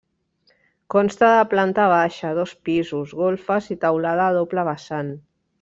Consta de planta baixa, dos pisos, golfes i teulada a doble vessant.